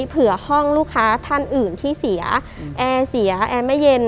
เผื่อห้องลูกค้าท่านอื่นที่เสียแอร์เสียแอร์ไม่เย็น